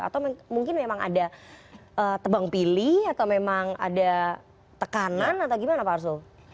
atau mungkin memang ada tebang pilih atau memang ada tekanan atau gimana pak arsul